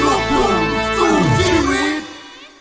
รักคนเดียวน้องจริงต้องรอ